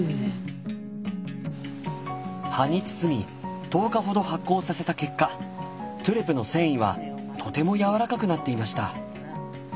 葉に包み１０日ほど発酵させた結果トゥレの繊維はとてもやわらかくなっていました。